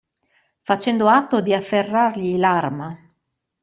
Facendo atto di afferrargli l'arma.